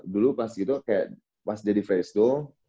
dulu pas gitu kayak pas jadi fresno